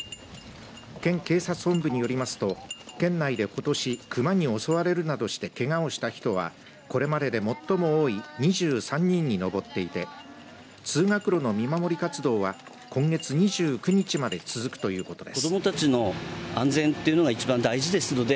県警察本部によりますと県内でことし熊に襲われるなどしてけがをした人はこれまでで最も多い２３人に上っていて通学路の見守り活動は今月２９日まで続くということです。